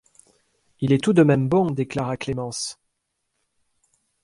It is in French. Il est tout de même bon, déclara Clémence.